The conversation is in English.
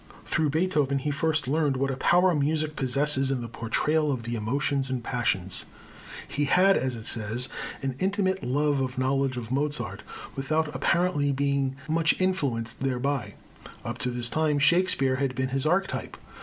Through Beethoven he first learned what a power music possesses in the portrayal of the emotions and passions. He had, as he says, an intimate love and knowledge of Mozart without apparently being much influenced thereby. Up to this time Shakespeare had been his archetype.